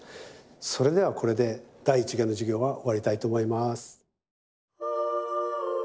それではこれで第１限の授業は終わりたいと思います。